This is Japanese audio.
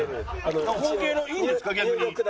ホウケイのいいんですか逆に。